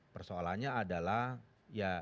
persoalannya adalah ya